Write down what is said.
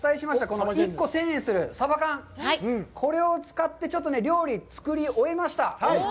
この１個１０００円するサバ缶、これを使ってちょっと料理を作り終えました。